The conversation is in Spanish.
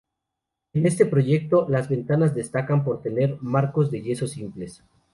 En este proyecto las ventanas destacan por tener marcos de yeso simples.